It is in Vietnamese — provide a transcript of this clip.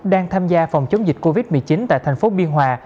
đang tham gia phòng chống dịch covid một mươi chín tại tp biên hòa